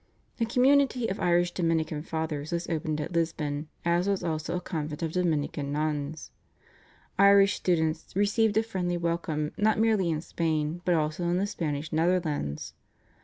A community of Irish Dominican Fathers was opened at Lisbon, as was also a convent of Dominican Nuns. Irish students received a friendly welcome not merely in Spain, but also in the Spanish Netherlands.